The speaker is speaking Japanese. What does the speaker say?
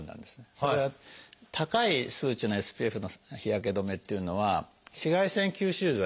それは高い数値のＳＰＦの日焼け止めっていうのは紫外線吸収剤の種類と量が多いんですね。